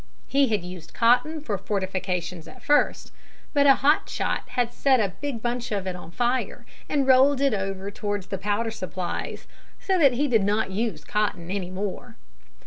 He had used cotton for fortifications at first, but a hot shot had set a big bunch of it on fire and rolled it over towards the powder supplies, so that he did not use cotton any more.